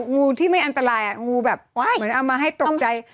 งูที่ไม่อันตรายงูแบบเหมือนเอามาให้ตกใจ